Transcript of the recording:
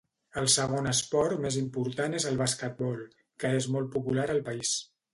El segon esport més important és el basquetbol, que és molt popular al país.